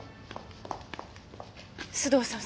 須藤さん